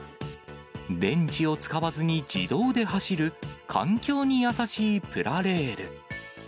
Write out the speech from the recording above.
電池を使わずに自動で走る環境に優しいプラレール。